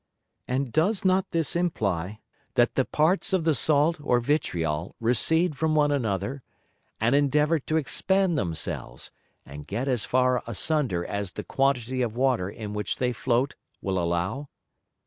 And does not this imply that the Parts of the Salt or Vitriol recede from one another, and endeavour to expand themselves, and get as far asunder as the quantity of Water in which they float, will allow?